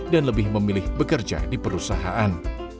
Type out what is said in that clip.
dan lebih memilih bekerja di perusahaan